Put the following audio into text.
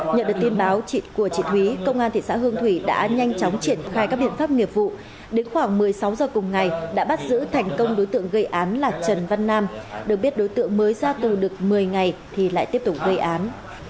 nhận được tin báo của chị thúy công an thị xã hương thủy đã nhanh chóng triển khai các biện pháp nghiệp vụ đến khoảng một mươi sáu giờ cùng ngày đã bắt giữ thành công đối tượng gây án là trần văn nam được biết đối tượng mới ra tù được một mươi ngày thì lại tiếp tục gây án